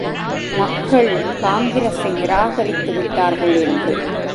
மக்கள் காங்கிரஸை நிராகரித்து விட்டார்கள் என்று!